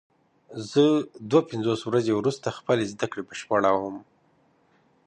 زه دوه پنځوس ورځې وروسته خپلې زده کړې بشپړوم.